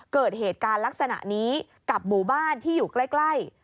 เกิดเหตุการณ์ลักษณะนี้กับหมู่บ้านที่อยู่ใกล้